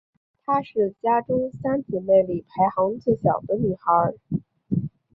她是家中三姊妹里排行最小的女孩。